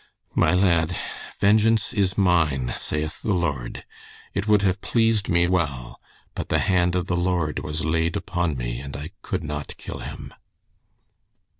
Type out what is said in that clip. "My lad, 'Vengeance is mine saith the Lord.' It would have pleased me well, but the hand of the Lord was laid upon me and I could not kill him."